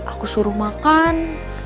aku suruh makan